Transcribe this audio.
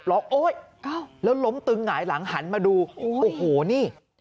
โอ๊ยแล้วล้มตึงหงายหลังหันมาดูโอ้โหนี่